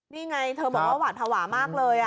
นี่ไงเธอบอกว่าหวาดภาวะมากเลย